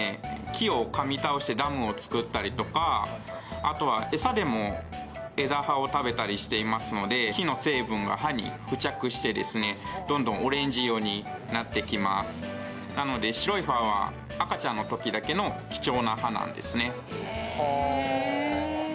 木を噛み倒してダムを作ったりとかあとはエサでも枝葉を食べたりしていますので木の成分が歯に付着してですねどんどんオレンジ色になってきますなので貴重な歯なんですね